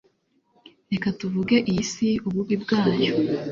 Reka tuvuge iy isi ububi bwayo